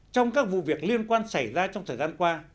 trong các vụ việc liên quan xảy ra trong thời gian qua